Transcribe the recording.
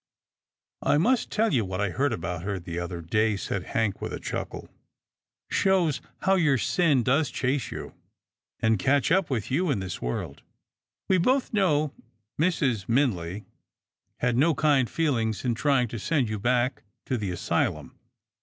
" I must tell you what I heard about her the other day," said Hank with a chuckle. " Shows 38 'TILDA JANE'S ORPHANS how your sin does chase you, and catch up with you in this world. We both know Mrs. Minley had no kind feeHngs in trying to send you back to the asylum.